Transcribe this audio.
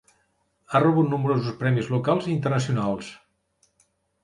Ha rebut nombrosos premis locals i internacionals.